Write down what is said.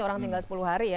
orang tinggal sepuluh hari ya